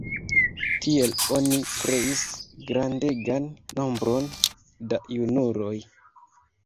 Tiel oni kreis grandegan nombron da junuloj.